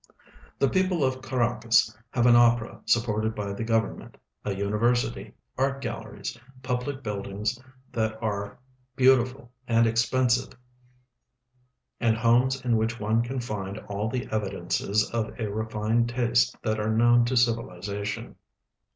The })eople of Caracas have an opera supported l;)y the govern ment, a university, art galleries, public buildings that are beau tiful and expensive, and homes in which one can find all the evidences of a refined taste that are knoAvn to civilization.